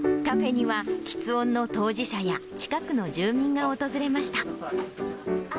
カフェには、きつ音の当事者や近くの住民が訪れました。